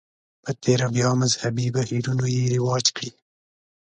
په تېره بیا مذهبي بهیرونو یې رواج کړي.